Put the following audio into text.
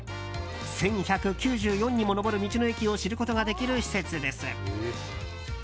１１９４にも上る道の駅を知ることができる施設です。